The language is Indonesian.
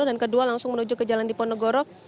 dan kedua langsung menuju ke jalan diponegoro